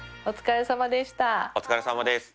お疲れさまでした。